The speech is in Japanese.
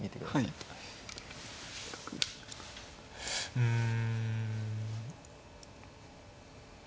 うん。